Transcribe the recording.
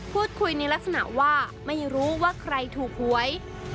พูดคุยในลักษณะว่าไม่รู้ว่าใครถูกหวย